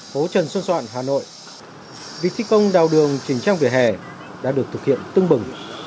phố trần xuân soạn hà nội việc thi công đào đường chỉnh trang vỉa hè đã được thực hiện tưng bừng